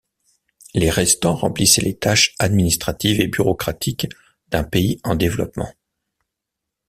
Les restant remplissaient les tâches administratives et bureaucratiques d'un pays en développement.